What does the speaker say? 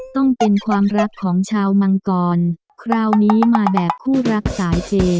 ต้องเป็นความรักของชาวมังกรคราวนี้มาแบบคู่รักสายเก